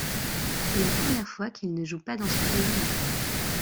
C'est la première fois qu'il ne joue pas dans son pays natal.